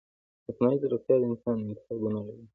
مصنوعي ځیرکتیا د انسان انتخابونه اغېزمنوي.